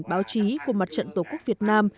báo chí của mặt trận tổ quốc việt nam